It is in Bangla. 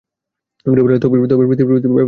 ঘুরে বেড়ালে তবেই পৃথিবীর ব্যাপারে শিখতে পারবে ও।